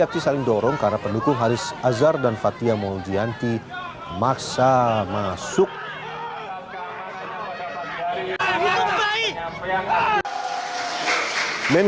kuasa hukum terdakwa haris azhar dan fathia maulidiyanti yang tidak bisa masuk ke ruang sidang